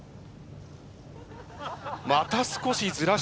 また少しずらした。